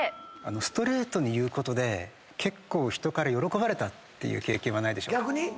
ストレートに言うことで結構人から喜ばれたっていう経験はないでしょうか？